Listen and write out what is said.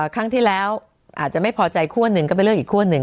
ครั้งที่แล้วอาจจะไม่พอใจคั่วหนึ่งก็ไปเลือกอีกขั้วหนึ่ง